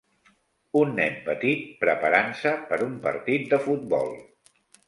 Un nen petit preparant-se per un partit de futbol.